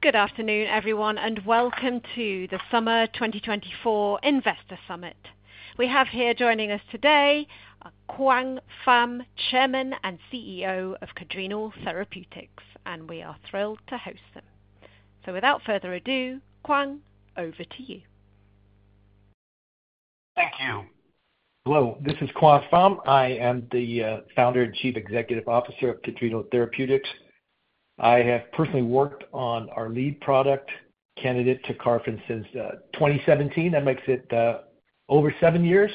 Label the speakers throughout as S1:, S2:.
S1: Good afternoon, everyone, and welcome to the Summer twenty twenty-four Investor Summit. We have here joining us today, Quang Pham, Chairman and CEO of Cardrenal Therapeutics, and we are thrilled to host him. So without further ado, Quang, over to you.
S2: Thank you. Hello, this is Quang Pham. I am the founder and Chief Executive Officer of Cardrenal Therapeutics. I have personally worked on our lead product candidate, Tecarfen, since twenty seventeen. That makes it over seven years,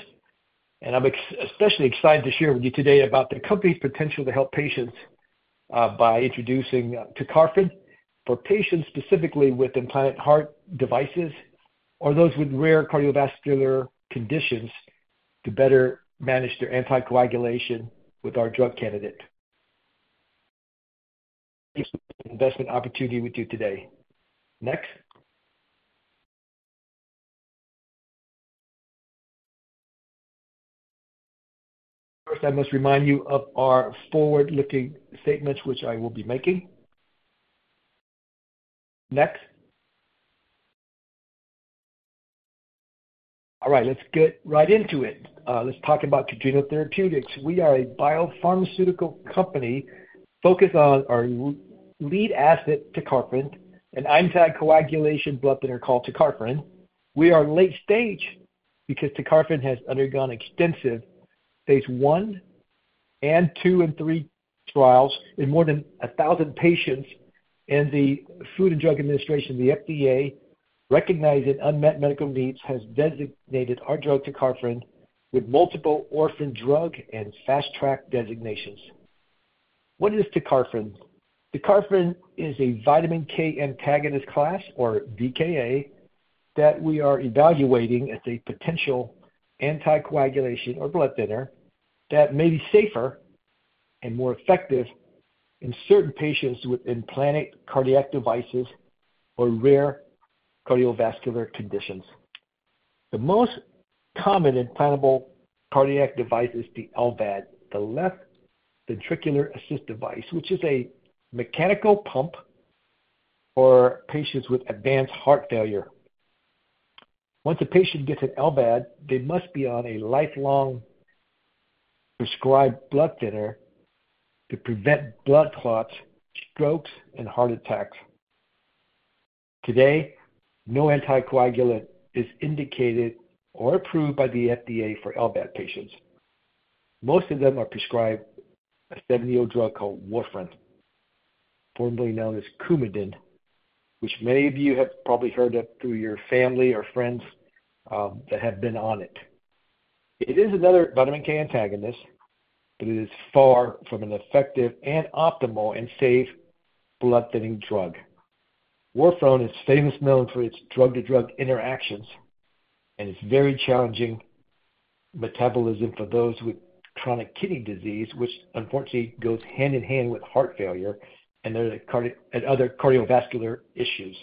S2: and I'm especially excited to share with you today about the company's potential to help patients by introducing Tecarfen for patients specifically with implanted heart devices or those with rare cardiovascular conditions to better manage their anticoagulation with our drug candidate. Investment opportunity with you today. Next. First, I must remind you of our forward-looking statements, which I will be making. Next. All right, let's get right into it. Let's talk about Cardrenal Therapeutics. We are a biopharmaceutical company focused on our lead asset, Tecarfen, an enzyme anticoagulation blood thinner called Tecarfen. We are late stage because Tecarfen has undergone extensive phase one and two and three trials in more than a thousand patients, and the Food and Drug Administration, the FDA, recognizing unmet medical needs, has designated our drug, Tecarfen, with multiple orphan drug and fast track designations. What is Tecarfen? Tecarfen is a vitamin K antagonist class, or VKA, that we are evaluating as a potential anticoagulation or blood thinner that may be safer and more effective in certain patients with implanted cardiac devices or rare cardiovascular conditions. The most common implantable cardiac device is the LVAD, the Left Ventricular Assist Device, which is a mechanical pump for patients with advanced heart failure. Once a patient gets an LVAD, they must be on a lifelong prescribed blood thinner to prevent blood clots, strokes, and heart attacks. Today, no anticoagulant is indicated or approved by the FDA for LVAD patients. Most of them are prescribed a seventy-year-old drug called warfarin, formerly known as Coumadin, which many of you have probably heard of through your family or friends that have been on it. It is another vitamin K antagonist, but it is far from an effective and optimal and safe blood-thinning drug. Warfarin is famously known for its drug-to-drug interactions and its very challenging metabolism for those with chronic kidney disease, which unfortunately goes hand in hand with heart failure and other cardiovascular issues.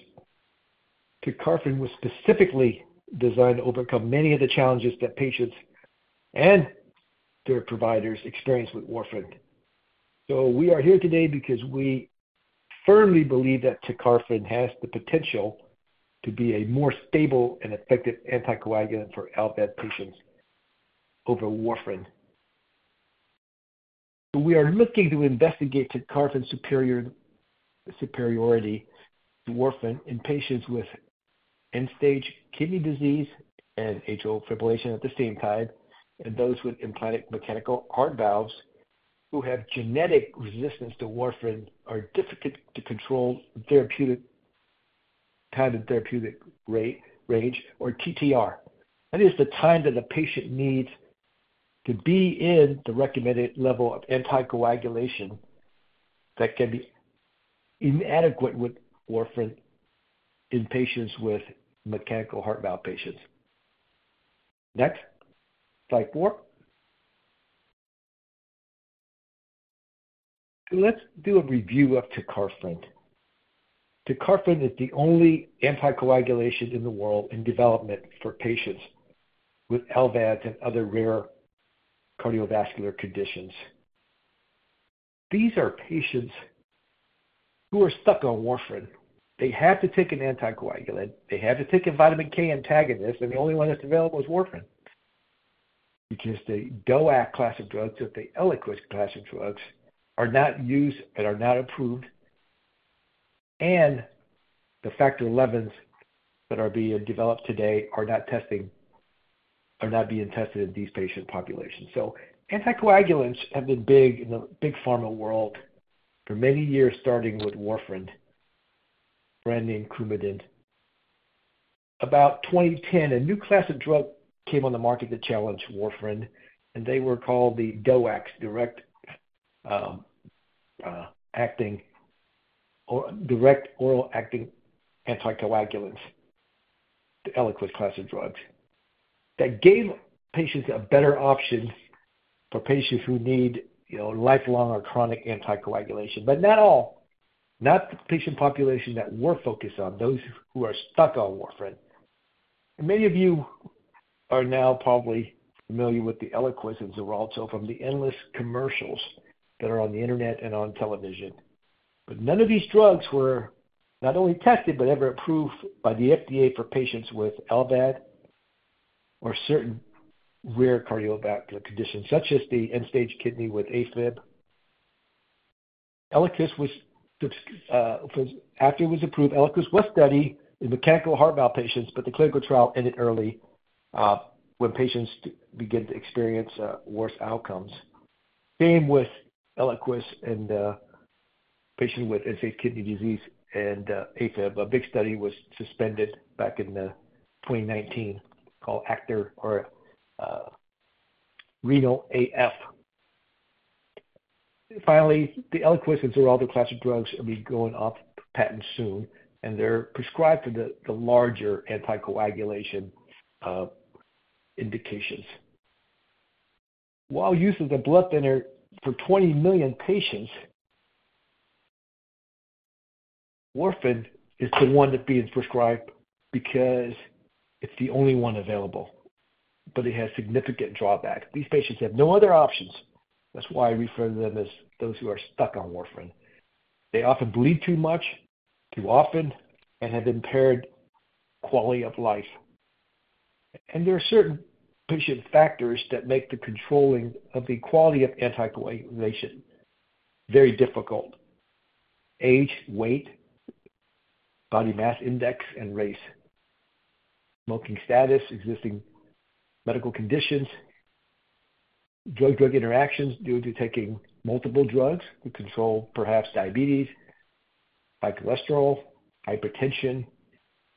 S2: Tecarfen was specifically designed to overcome many of the challenges that patients and their providers experience with warfarin. So we are here today because we firmly believe that Tecarfen has the potential to be a more stable and effective anticoagulant for LVAD patients over warfarin. We are looking to investigate Tecarfen's superiority to warfarin in patients with end-stage kidney disease and atrial fibrillation at the same time, and those with implanted mechanical heart valves who have genetic resistance to warfarin are difficult to control therapeutically, time in therapeutic range, or TTR. That is the time that the patient needs to be in the recommended level of anticoagulation that can be inadequate with warfarin in patients with mechanical heart valves. Next, slide four. Let's do a review of Tecarfen. Tecarfen is the only anticoagulation in the world in development for patients with LVADs and other rare cardiovascular conditions. These are patients who are stuck on warfarin. They have to take an anticoagulant. They have to take a vitamin K antagonist, and the only one that's available is warfarin. Because the DOAC class of drugs, or the Eliquis class of drugs, are not used and are not approved, and the factor elevens that are being developed today are not being tested in these patient populations, so anticoagulants have been big in the big pharma world for many years, starting with warfarin, brand name Coumadin. About twenty ten, a new class of drug came on the market to challenge warfarin, and they were called the DOACs, direct, acting or direct oral acting anticoagulants, the Eliquis class of drugs, that gave patients a better option for patients who need, you know, lifelong or chronic anticoagulation, but not all, not the patient population that we're focused on, those who are stuck on warfarin. Many of you are now probably familiar with the Eliquis and Xarelto from the endless commercials that are on the internet and on television. But none of these drugs were not only tested, but ever approved by the FDA for patients with LVAD or certain rare cardiovascular conditions, such as end-stage kidney disease with AFib. Eliquis was after it was approved, Eliquis was studied in mechanical heart valve patients, but the clinical trial ended early when patients began to experience worse outcomes. Same with Eliquis and patients with end-stage kidney disease and AFib. A big study was suspended back in 2019 called the RENAL-AF. Finally, the Eliquis and Xarelto class of drugs will be going off patent soon, and they're prescribed for the larger anticoagulation indications. While use of the blood thinner for 20 million patients, warfarin is the one that's being prescribed because it's the only one available, but it has significant drawbacks. These patients have no other options. That's why I refer to them as those who are stuck on warfarin. They often bleed too much, too often, and have impaired quality of life. And there are certain patient factors that make the controlling of the quality of anticoagulation very difficult. Age, weight, body mass index, and race, smoking status, existing medical conditions, drug-drug interactions due to taking multiple drugs to control, perhaps diabetes, high cholesterol, hypertension,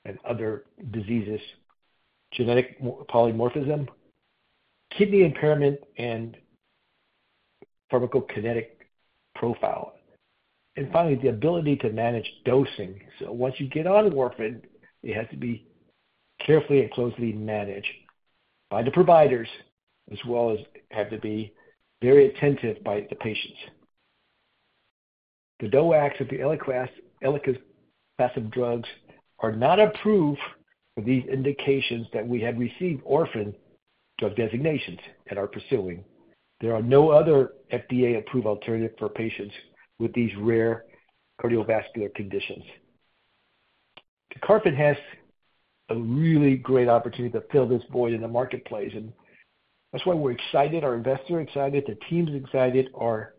S2: and other diseases, genetic polymorphism, kidney impairment, and pharmacokinetic profile. And finally, the ability to manage dosing. So once you get on warfarin, it has to be carefully and closely managed by the providers, as well as have to be very attentive by the patients. The DOACs of the Eliquis, Eliquis class of drugs are not approved for these indications that we have received orphan drug designations and are pursuing. There are no other FDA-approved alternatives for patients with these rare cardiovascular conditions. Tecarfen has a really great opportunity to fill this void in the marketplace, and that's why we're excited, our investors are excited, the team's excited, our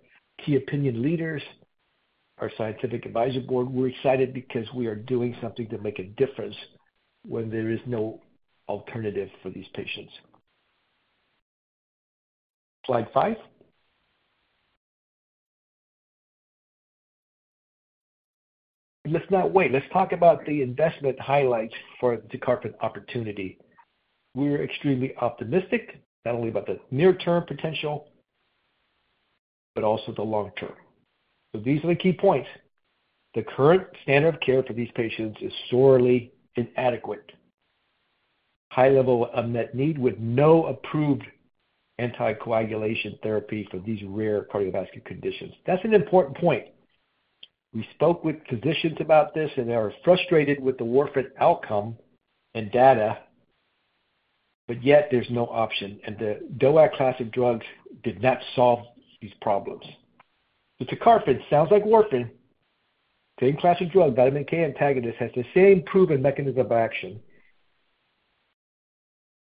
S2: key opinion leaders, our scientific advisory board. We're excited because we are doing something to make a difference when there is no alternative for these patients. Slide five. Let's not wait. Let's talk about the investment highlights for Tecarfen opportunity. We're extremely optimistic, not only about the near-term potential, but also the long term. So these are the key points. The current standard of care for these patients is sorely inadequate. High level of unmet need with no approved anticoagulation therapy for these rare cardiovascular conditions. That's an important point. We spoke with physicians about this, and they are frustrated with the warfarin outcome and data, but yet there's no option, and the DOAC class of drugs did not solve these problems. The Tecarfen sounds like warfarin. Same class of drug, vitamin K antagonist, has the same proven mechanism of action.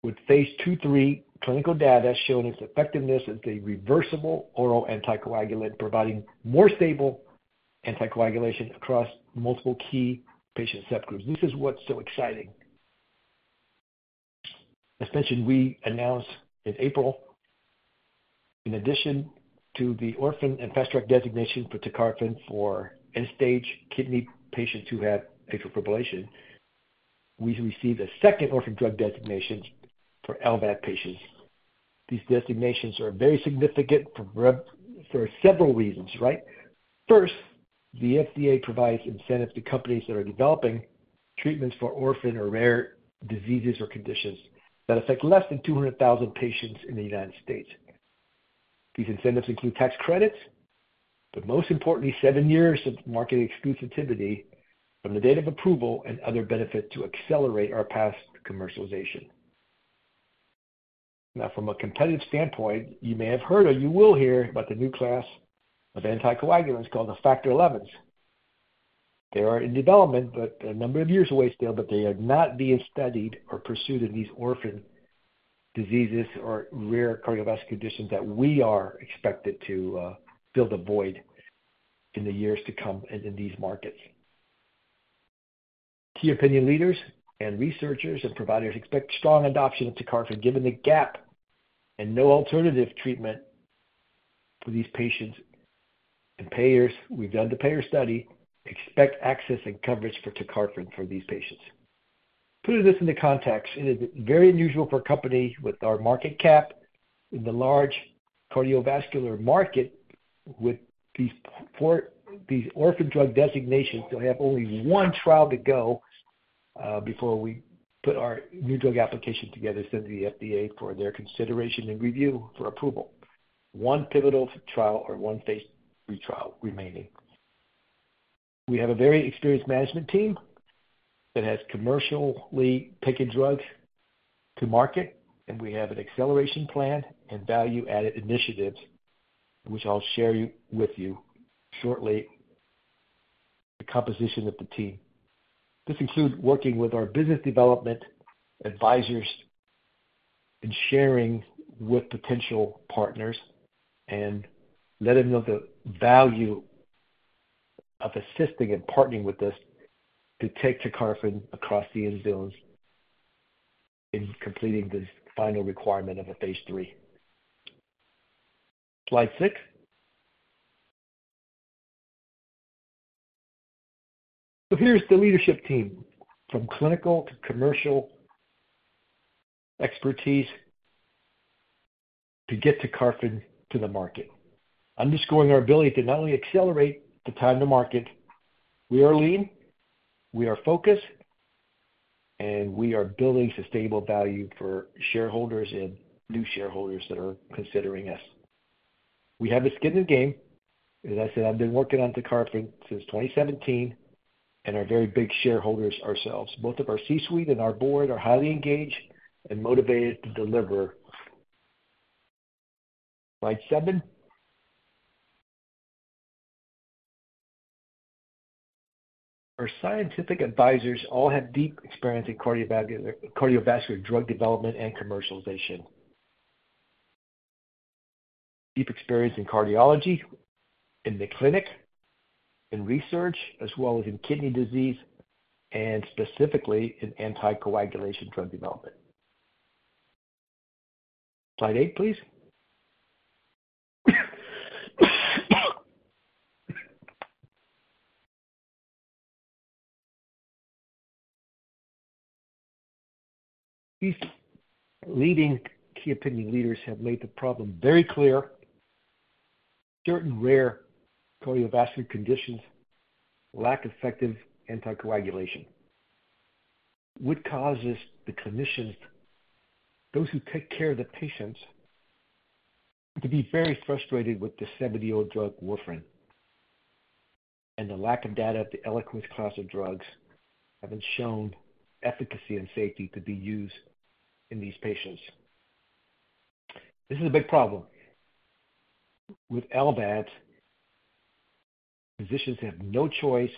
S2: With phase 2/3 clinical data showing its effectiveness as a reversible oral anticoagulant, providing more stable anticoagulation across multiple key patient subgroups. This is what's so exciting. As mentioned, we announced in April, in addition to the orphan and Fast Track designation for Tecarfen for end-stage kidney patients who have atrial fibrillation, we received a second orphan drug designation for LVAD patients. These designations are very significant for several reasons, right? First, the FDA provides incentives to companies that are developing treatments for orphan or rare diseases or conditions that affect less than two hundred thousand patients in the United States. These incentives include tax credits, but most importantly, seven years of market exclusivity from the date of approval and other benefits to accelerate our path to commercialization. Now, from a competitive standpoint, you may have heard or you will hear about the new class of anticoagulants called the factor elevens. They are in development, but a number of years away still, but they are not being studied or pursued in these orphan diseases or rare cardiovascular conditions that we are expected to fill the void in the years to come in these markets. Key opinion leaders and researchers and providers expect strong adoption of Tecarfen, given the gap and no alternative treatment for these patients and payers. We've done the payer study. Expect access and coverage for Tecarfen for these patients. Putting this into context, it is very unusual for a company with our market cap in the large cardiovascular market with these four. These orphan drug designations to have only one trial to go before we put our new drug application together, send to the FDA for their consideration and review for approval. One pivotal trial or one phase three trial remaining. We have a very experienced management team that has commercially taken drugs to market, and we have an acceleration plan and value-added initiatives, which I'll share with you shortly, the composition of the team. This includes working with our business development advisors and sharing with potential partners and letting them know the value of assisting and partnering with us to take Tecarfen across the end zones in completing this final requirement of a phase three. Slide six. So here's the leadership team, from clinical to commercial expertise to get Tecarfen to the market, underscoring our ability to not only accelerate the time to market. We are lean, we are focused, and we are building sustainable value for shareholders and new shareholders that are considering us. We have the skin in the game. As I said, I've been working on Tecarfen since 2017 and are very big shareholders ourselves. Both of our C-suite and our board are highly engaged and motivated to deliver. Slide seven. Our scientific advisors all have deep experience in cardiovascular drug development and commercialization. Deep experience in cardiology, in the clinic, in research, as well as in kidney disease and specifically in anticoagulation drug development. Slide eight, please. These leading key opinion leaders have made the problem very clear. Certain rare cardiovascular conditions lack effective anticoagulation, which causes the clinicians, those who take care of the patients, to be very frustrated with the seventy-year-old drug warfarin, and the lack of data of the Eliquis class of drugs have been shown efficacy and safety to be used in these patients. This is a big problem. With LVADs, physicians have no choice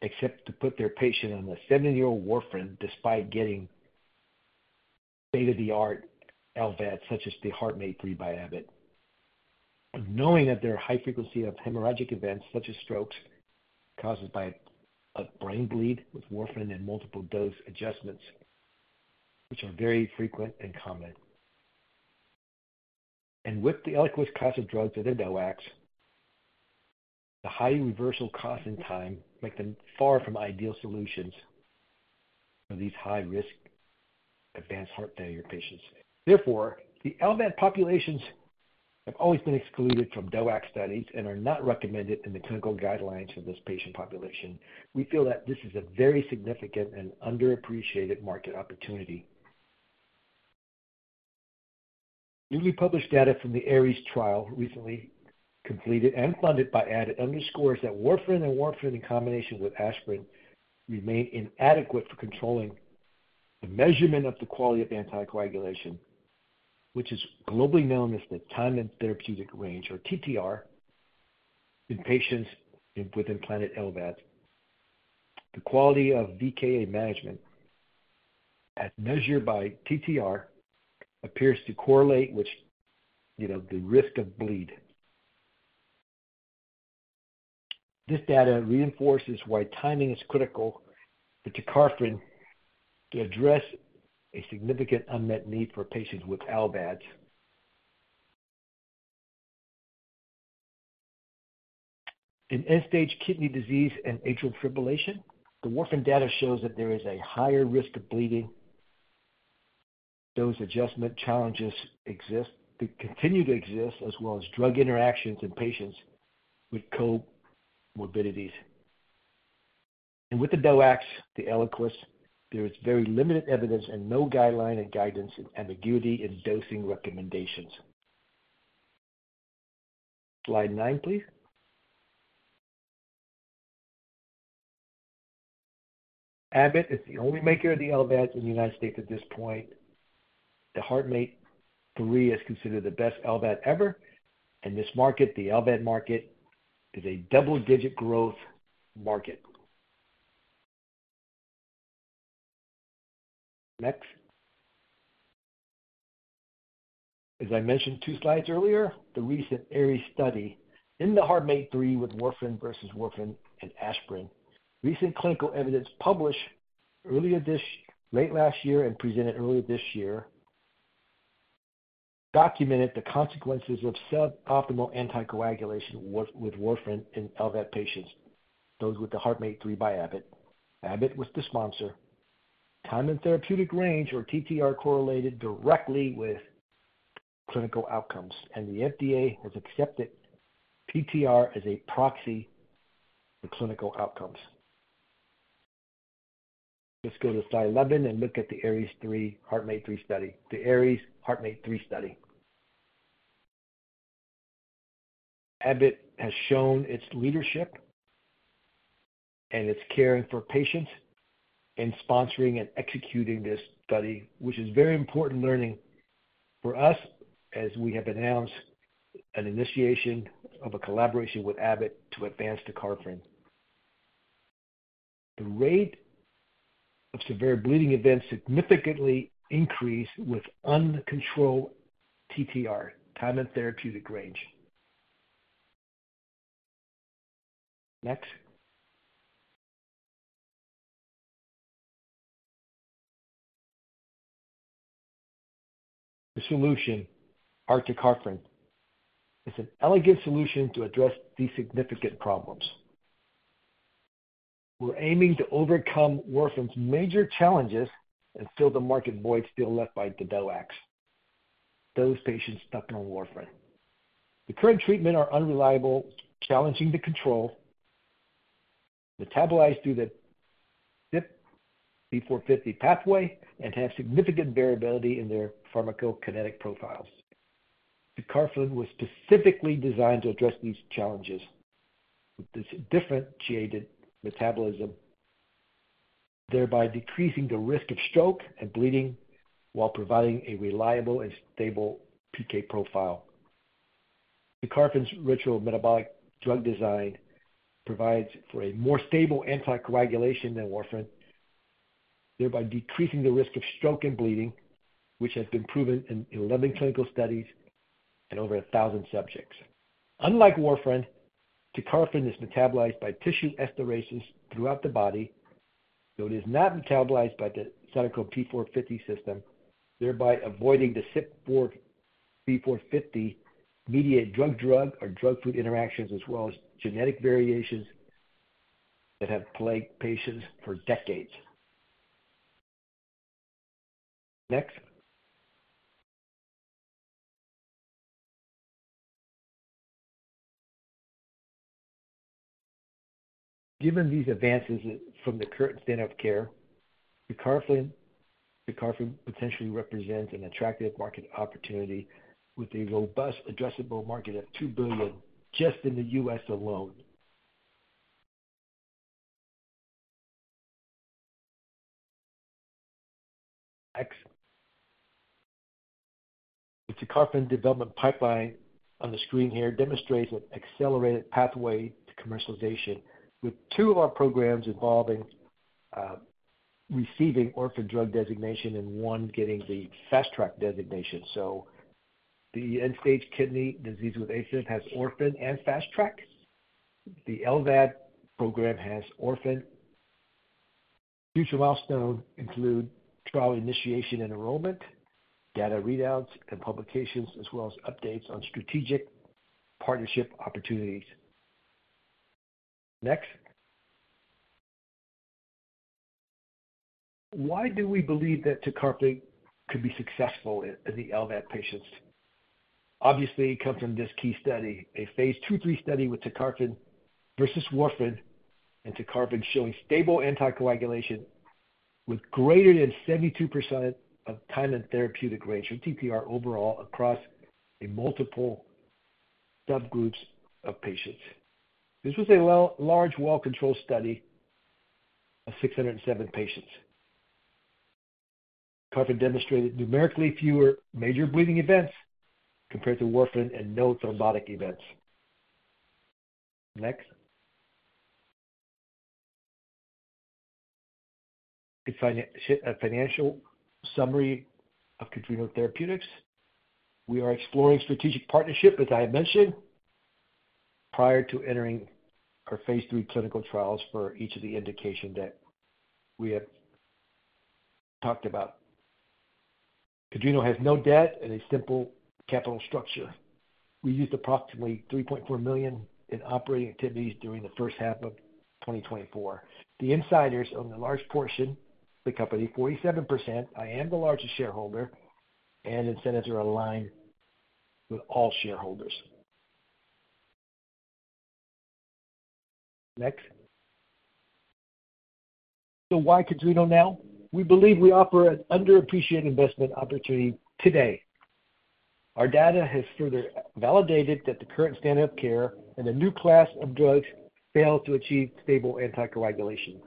S2: except to put their patient on the seventy-year-old warfarin, despite getting state-of-the-art LVAD, such as the HeartMate 3 by Abbott. Knowing that there are high frequency of hemorrhagic events, such as strokes, caused by a brain bleed with warfarin and multiple dose adjustments, which are very frequent and common. With the Eliquis class of drugs that are NOACs, the high reversal cost and time make them far from ideal solutions for these high-risk advanced heart failure patients. Therefore, the LVAD populations have always been excluded from DOAC studies and are not recommended in the clinical guidelines for this patient population. We feel that this is a very significant and underappreciated market opportunity. Newly published data from the ARIES trial, recently completed and funded by Abbott, underscores that warfarin and warfarin in combination with aspirin remain inadequate for controlling the measurement of the quality of anticoagulation, which is globally known as the time in therapeutic range, or TTR, in patients with implanted LVADs. The quality of VKA management, as measured by TTR, appears to correlate with, you know, the risk of bleed. This data reinforces why timing is critical for Tecarfen to address a significant unmet need for patients with LVADs. In end-stage kidney disease and atrial fibrillation, the warfarin data shows that there is a higher risk of bleeding. Those adjustment challenges exist. They continue to exist, as well as drug interactions in patients with co-morbidities. And with the NOACs, the Eliquis, there is very limited evidence and no guideline and guidance and ambiguity in dosing recommendations. Slide nine, please. Abbott is the only maker of the LVADs in the United States at this point. The HeartMate 3 is considered the best LVAD ever, and this market, the LVAD market, is a double-digit growth market. Next. As I mentioned two slides earlier, the recent ARIES-HM3 study in the HeartMate 3 with warfarin versus warfarin and aspirin. Recent clinical evidence published late last year and presented earlier this year documented the consequences of suboptimal anticoagulation with warfarin in LVAD patients, those with the HeartMate 3 by Abbott. Abbott was the sponsor. Time in therapeutic range, or TTR, correlated directly with clinical outcomes, and the FDA has accepted TTR as a proxy for clinical outcomes. Let's go to slide 11 and look at the ARIES-HM3, HeartMate 3 study. The ARIES-HM3 study. Abbott has shown its leadership and its caring for patients in sponsoring and executing this study, which is very important learning for us as we have announced an initiation of a collaboration with Abbott to advance Tecarfen. The rate of severe bleeding events significantly increase with uncontrolled TTR, time in therapeutic range. Next. The solution, Tecarfen, is an elegant solution to address these significant problems. We're aiming to overcome warfarin's major challenges and fill the market void still left by the DOACs. Those patients stuck on warfarin. The current treatment are unreliable, challenging to control, metabolize through the CYP450 pathway, and have significant variability in their pharmacokinetic profiles. Tecarfen was specifically designed to address these challenges with this differentiated metabolism, thereby decreasing the risk of stroke and bleeding while providing a reliable and stable PK profile. Tecarfen's rational metabolic drug design provides for a more stable anticoagulation than warfarin, thereby decreasing the risk of stroke and bleeding, which has been proven in eleven clinical studies and over a thousand subjects. Unlike warfarin, Tecarfen is metabolized by tissue esterases throughout the body, so it is not metabolized by the cytochrome P450 system, thereby avoiding the CYP450-mediated drug-drug or drug-food interactions, as well as genetic variations that have plagued patients for decades. Next. Given these advances from the current standard of care, Tecarfen, Tecarfen potentially represents an attractive market opportunity with a robust addressable market of $2 billion just in the U.S. alone. Next. The Tecarfen development pipeline on the screen here demonstrates an accelerated pathway to commercialization, with two of our programs involving receiving orphan drug designation and one getting the Fast Track designation. So the end-stage kidney disease with AFib has Orphan and Fast Track. The LVAD program has Orphan. Future milestones include trial initiation and enrollment, data readouts and publications, as well as updates on strategic partnership opportunities. Next. Why do we believe that Tecarfen could be successful in the LVAD patients? Obviously, it comes from this key study, a phase 2/3 study with Tecarfen versus warfarin, and Tecarfen showing stable anticoagulation with greater than 72% of time in therapeutic range, or TTR overall, across multiple subgroups of patients. This was a large, well-controlled study of 607 patients. Tecarfen demonstrated numerically fewer major bleeding events compared to warfarin and no thrombotic events. Next. A financial summary of Cardrenal Therapeutics. We are exploring strategic partnership, as I had mentioned, prior to entering our phase 3 clinical trials for each of the indications that we have talked about. Cardrenal has no debt and a simple capital structure. We used approximately $3.4 million in operating activities during the first half of 2024. The insiders own a large portion of the company, 47%. I am the largest shareholder, and incentives are aligned with all shareholders. Next. So why Cadrenal now? We believe we offer an underappreciated investment opportunity today. Our data has further validated that the current standard of care and the new class of drugs fail to achieve stable anticoagulation.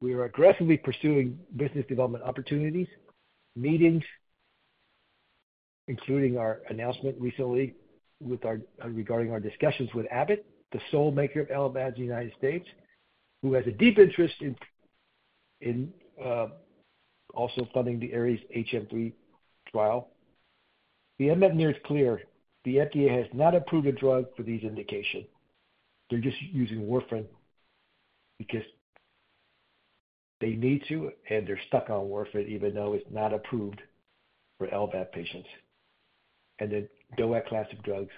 S2: We are aggressively pursuing business development opportunities, meetings, including our announcement recently regarding our discussions with Abbott, the sole maker of LVAD in the United States, who has a deep interest in also funding the ARIES-HM3 trial. The MFR is clear: the FDA has not approved a drug for these indications. They're just using warfarin because they need to, and they're stuck on warfarin, even though it's not approved for LVAD patients, and the DOAC class of drugs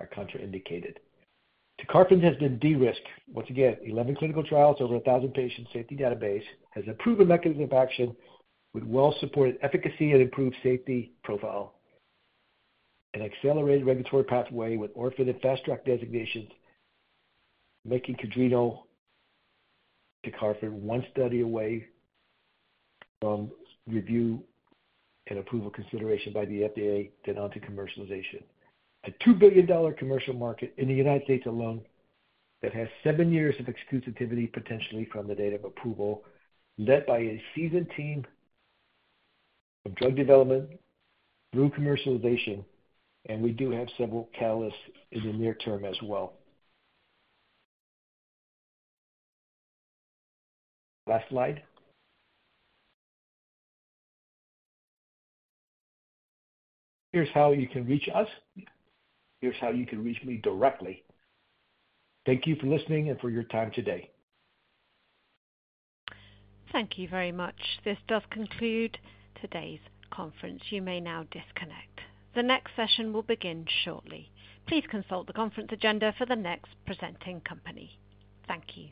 S2: are contraindicated. Tecarfen has been de-risked. Once again, eleven clinical trials, over a thousand patients, safety database, has a proven mechanism of action with well-supported efficacy and improved safety profile, an accelerated regulatory pathway with Orphan and Fast Track designations, making Cardrenal Tecarfen one study away from review and approval consideration by the FDA, then on to commercialization. A $2 billion commercial market in the United States alone that has seven years of exclusivity, potentially from the date of approval, led by a seasoned team of drug development through commercialization, and we do have several catalysts in the near term as well. Last slide. Here's how you can reach us. Here's how you can reach me directly. Thank you for listening and for your time today.
S1: Thank you very much. This does conclude today's conference. You may now disconnect. The next session will begin shortly. Please consult the conference agenda for the next presenting company. Thank you.